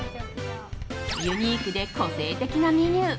ユニークで個性的なメニュー。